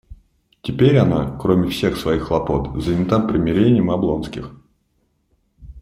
Теперь она, кроме всех своих хлопот, занята примирением Облонских.